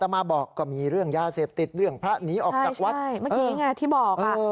เมื่อกี้ไงที่บอก